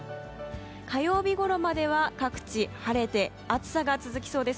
火曜日ごろまでは各地、晴れて暑さが続きそうです。